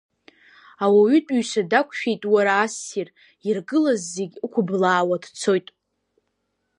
Ауаҩытәыҩса дақәшәеит, уара, ассир, иргылаз зегь ықәыблаауа дцоит.